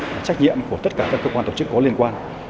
và trách nhiệm của tất cả các cơ quan tổ chức có liên quan